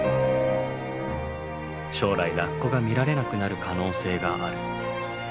将来ラッコが見られなくなる可能性がある。